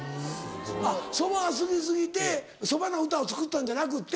あっそばが好き過ぎてそばの歌を作ったんじゃなくって。